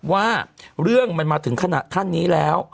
ว่าเรื่องมันมาถึงขณะท่านนี้แล้ว